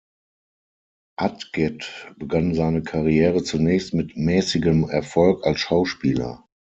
Atget begann seine Karriere zunächst mit mäßigem Erfolg als Schauspieler.